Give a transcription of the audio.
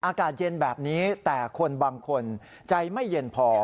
อากาศเย็นแบบนี้แต่คนบางคนใจไม่เย็นพอ